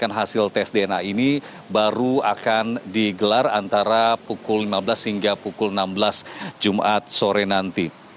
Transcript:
kemudian hasil tes dna ini baru akan digelar antara pukul lima belas hingga pukul enam belas jumat sore nanti